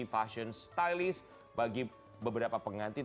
fashion stylist bagi beberapa pengantin